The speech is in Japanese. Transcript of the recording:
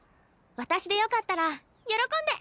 私でよかったら喜んで。